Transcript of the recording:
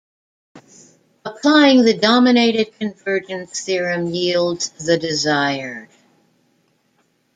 Applying the dominated convergence theorem yields the desired.